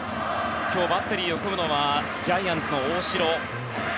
今日、バッテリーを組むのはジャイアンツの大城。